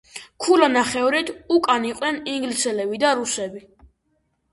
ქულანახევრით უკან იყვნენ ინგლისელები და რუსები.